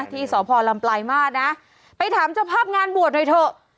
ที่สพลำปลายมาตรนะไปถามเจ้าภาพงานบวชหน่อยเถอะ